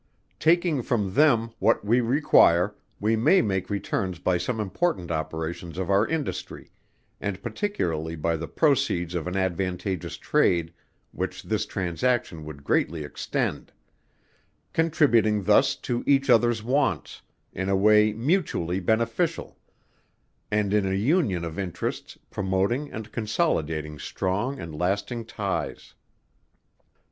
Taking from them, what we require, we may make returns by some important operations of our industry, and particularly by the proceeds of an advantageous trade which this transaction would greatly extend; contributing thus to each others wants, in a way mutually beneficial: and, in an union of interests, promoting and consolidating strong and lasting ties.